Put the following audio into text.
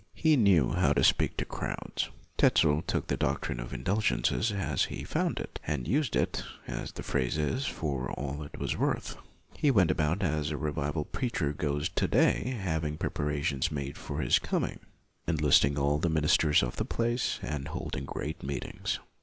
He knew how to speak to crowds. Tetzel took the doctrine of indulgences as he found it, and used it, as the phrase is, for all it was worth. He went about as a revival preacher goes to day, having preparations made for his coming, enlist LUTHER 7 ing all the ministers of the place, and holding great meetings.